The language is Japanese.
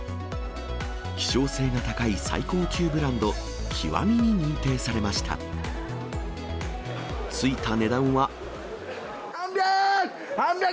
希少性が高い最高級ブランド、極に認定されました。